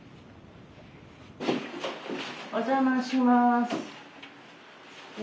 お邪魔します。